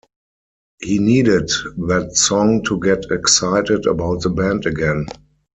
He needed that song to get excited about the band again.